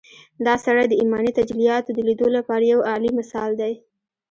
دا سړی د ايماني تجلياتود ليدو لپاره يو اعلی مثال دی.